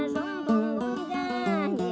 xuân vuông vui giá